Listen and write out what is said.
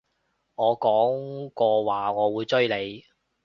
我講過話我會追你